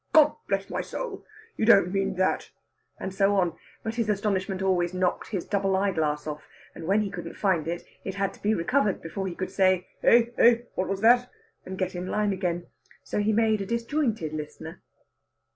"God bless my soul!" "You don't mean that!" and so on; but his astonishment always knocked his double eyeglass off, and, when he couldn't find it, it had to be recovered before he could say, "Eh eh what was that?" and get in line again; so he made a disjointed listener.